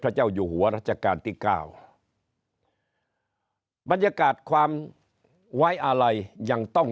พระเจ้าอยู่หัวราชกาลตี๙บรรยากาศความไว้อะไรยังต้อง